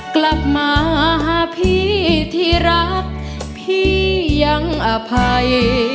กลับมาหาพี่ที่รักพี่ยังอภัย